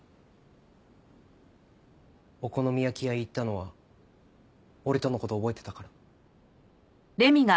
お好み焼き屋へ行ったのは俺との事覚えてたから。